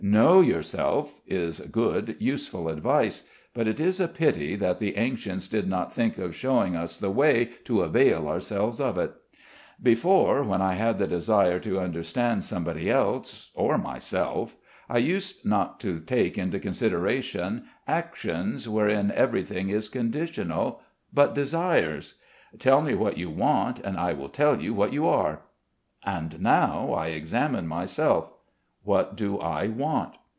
"Know yourself" is good, useful advice; but it is a pity that the ancients did not think of showing us the way to avail ourselves of it. Before, when I had the desire to understand somebody else, or myself, I used not to take into consideration actions, wherein everything is conditional, but desires. Tell me what you want, and I will tell you what you are. And now I examine myself. What do I want?